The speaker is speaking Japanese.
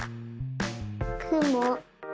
くも。